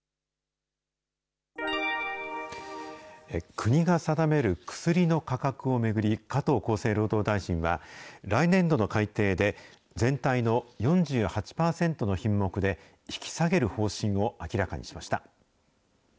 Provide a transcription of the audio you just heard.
国が定める薬の価格を巡り、加藤厚生労働大臣は、来年度の改定で、全体の４８％の品目で引き下げる方針を明らかにしました。